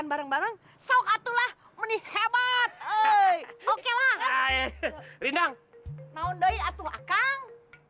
nah udah ya aduh akang